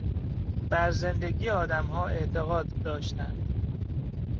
بر زندگی آدمها اعتقاد داشتند